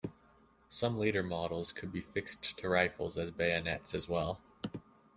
Some later models could be fixed to rifles as bayonets as well.